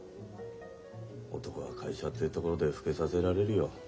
男は会社ってところで老けさせられるよ。